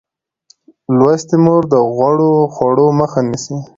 لوستې مور د غوړو خوړو مخه نیسي.